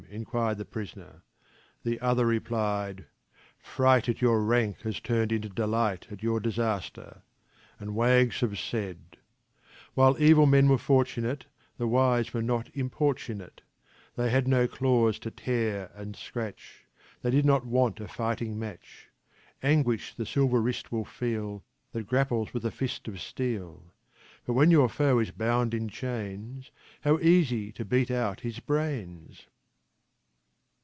" inquired the prisoner. The other replied :" Fright at your rank has turned into delight at your disaster: and wags have said: While evil men were fortunate the wise were not importunate, They had no claws to tear and scratch, they did not want a fighting match. Anguish the silver wrist will feel, that grapples with a fist of steel, But when your foe is bound in chains, how easy to beat out his brains?